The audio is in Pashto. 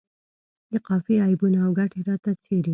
د قافیې عیبونه او ګټې راته څیړي.